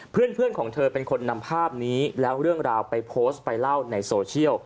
เพื่อนของเธอเป็นคนนำภาพนี้แล้วเรื่องราวไปโพสต์ไปเล่าในโซเชียล